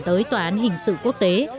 tới tòa án hình sự quốc tế